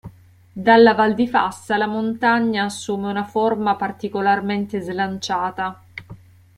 Dalla Val di Fassa la montagna assume una forma particolarmente slanciata.